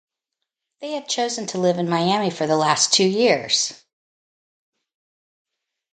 They have chosen to live in Miami for the last two years.